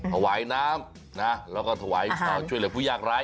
หวายน้ำนะแล้วก็ช่วยเหลือผู้ยากไร้